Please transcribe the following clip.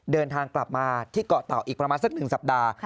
เดินทางกลับมาที่เกาะเตาอีกประมาณสัก๑สัปดาห์